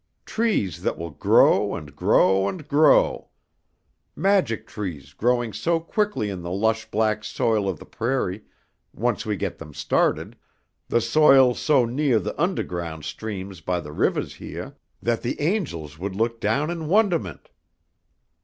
Trees that will grow and grow and grow. Magic trees growing so quickly in the lush black soil of the prairie once we get them started, the soil so neah the undahground streams by the rivahs heah, that the angels would look down in wondahment.